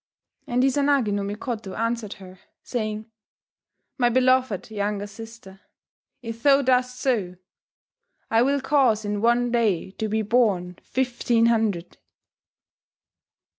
And Izanagi no Mikoto answered her, saying, "My beloved younger sister, if thou dost so, I will cause in one day to be born fifteen hundred